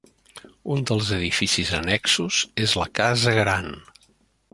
Un dels edificis annexos és la Casa Gran.